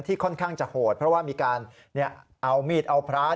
ค่อนข้างจะโหดเพราะว่ามีการเอามีดเอาพระ